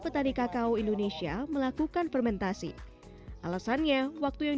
petani kakao indonesia melakukan fermentasi alasannya waktu yang